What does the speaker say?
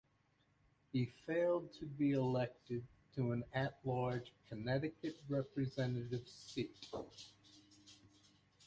He failed to be elected to an at-large Connecticut Representative seat.